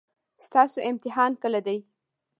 ستاسو امتحان کله دی؟